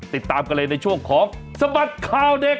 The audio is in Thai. ติดตามกันเลยในช่วงของสบัดข่าวเด็ก